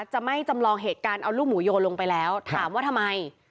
จะไม่จำลองเหตุการณ์เอาลูกหมูโยลงไปแล้วถามว่าทำไม